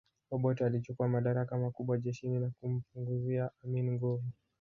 Obote alichukua madaraka makubwa jeshini na kumpunguzia Amin nguvu